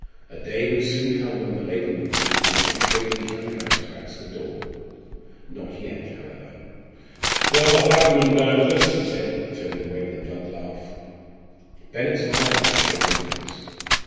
A day would soon come when the labour movement would be able to show these young aristocrats the door. Not yet, however. "Well, I thowt you wouldn't dine with us," he said, turning away with a blunt laugh. Bennett's mild eye showed annoyance.